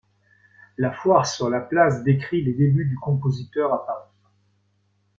La Foire sur la place décrit les début du compositeur à Paris.